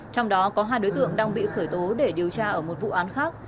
trong đó có hai đối tượng đang bị khởi tố để điều tra ở một vụ án khác